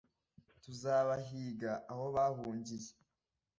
tuzabahiga aho bahungiye